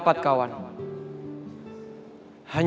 pelelah hal itu potion